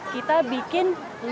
kita bikin lemeng dulu